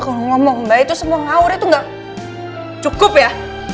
kalau ngomong mbak itu semua ngawur itu nggak cukup ya